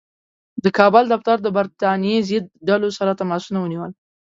د کابل دفتر د برټانیې ضد ډلو سره تماسونه ونیول.